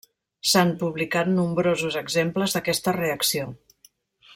S'han publicat nombrosos exemples d'aquesta reacció.